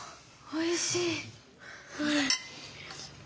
おいしい。